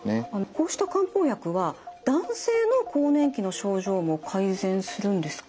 こうした漢方薬は男性の更年期の症状も改善するんですか？